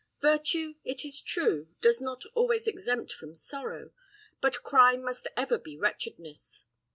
Virtue, it is true, does not always exempt from sorrow, but crime must ever be wretchedness.